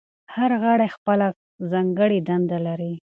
هر غړی خپله ځانګړې دنده لري.